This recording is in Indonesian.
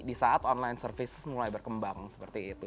di saat online service mulai berkembang seperti itu